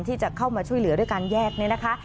ที่จะเข้ามาช่วยเหลือด้วยการแยกนี้นะคะ